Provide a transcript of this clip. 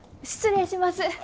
失礼します。